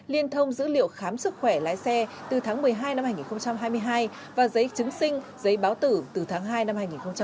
liên thông dữ liệu khám sức khỏe lái xe từ tháng một mươi hai năm hai nghìn hai mươi hai và giấy chứng sinh giấy báo tử từ tháng hai năm hai nghìn hai mươi